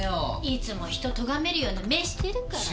いつも人咎めるような目してるから。